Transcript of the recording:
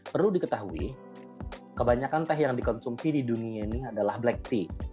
perlu diketahui kebanyakan teh yang dikonsumsi di dunia ini adalah black tea